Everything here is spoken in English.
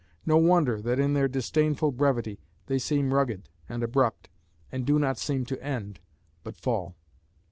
No wonder that in their disdainful brevity they seem rugged and abrupt, "and do not seem to end, but fall."